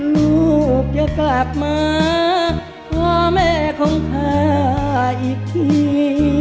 ลูกอย่ากลับมาพระเมฆของข้าอีกที